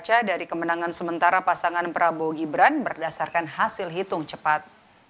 pasca dari kemenangan sementara pasangan prabowo gibran berdasarkan hasil hitung cepat